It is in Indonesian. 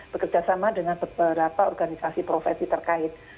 bekerjasama dengan beberapa organisasi profesi terkait